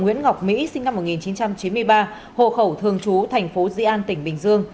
nguyễn ngọc mỹ sinh năm một nghìn chín trăm chín mươi ba hồ khẩu thường trú tp di an tỉnh bình dương